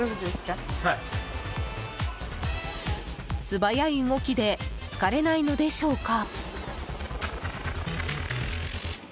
素早い動きで疲れないのでしょうか。